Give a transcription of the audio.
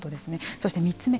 そして３つ目。